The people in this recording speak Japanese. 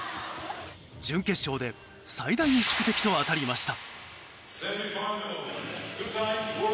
準決勝で最大の宿敵と当たりました。